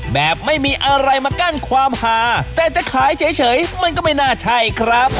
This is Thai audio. แบบไม่มีอะไรมากั้นความหาแต่จะขายเฉยมันก็ไม่น่าใช่ครับ